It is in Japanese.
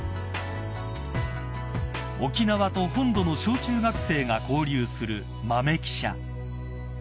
［沖縄と本土の小中学生が交流する豆記者］